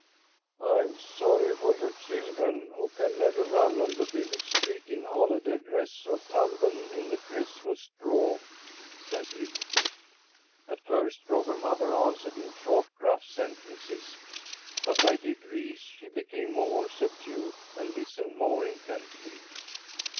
"I'm sorry for your children, who can never run on the village street in holiday dress or tumble in the Christmas straw," said he. At first Robber Mother answered in short, gruff sentences, but by degrees she became more subdued and listened more intently.